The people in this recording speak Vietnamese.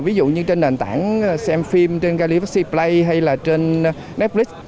ví dụ như trên nền tảng xem phim trên galaxy play hay là trên netflix